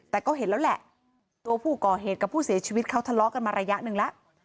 แต่ก็เห็นแล้วแหละตัวผู้ก่อเหตุกับผู้เสียชีวิตเขาทะเลาะกันมาระยะหนึ่งแล้ว